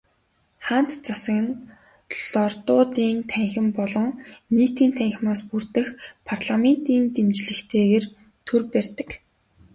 Хаант засаг нь Лордуудын танхим болон Нийтийн танхимаас бүрдэх парламентын дэмжлэгтэйгээр төр барьдаг.